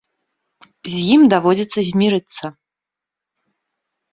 З ім даводзіцца змірыцца.